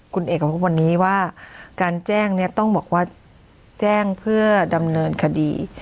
คุณเอกกับวันนี้ว่าการแจ้งเนี่ยต้องบอกว่าแจ้งเพื่อดำเนินคดี